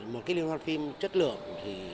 một cái liên hoàn phim chất lượng thì